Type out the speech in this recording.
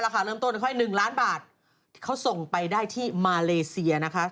ราคาเริ่มต้นถ้าค่อย๑ล้านบาทเขาส่งไปได้ที่มาเลเสีย